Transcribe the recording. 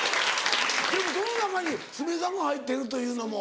でもその中にすみれさんが入ってるというのも。